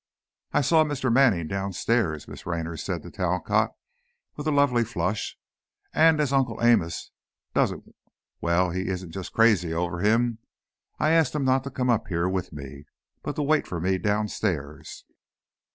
"I saw Mr. Manning downstairs," Miss Raynor said to Talcott, with a lovely flush, "and as Uncle Amos doesn't well, he isn't just crazy over him, I asked him not to come up here with me, but to wait for me downstairs."